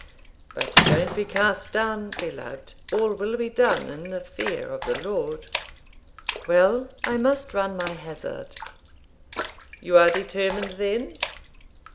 But don't be cast down, beloved; all will be done in the fear of the Lord.' 'Well, I must run my hazard.' 'You are determined, then?'